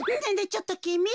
ちょっときみ。